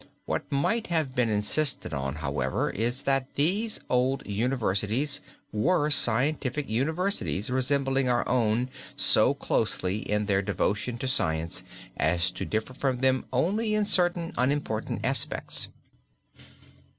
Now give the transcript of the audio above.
What might have been insisted on, however, is that these old universities were scientific universities resembling our own so closely in their devotion to science as to differ from them only in certain unimportant aspects.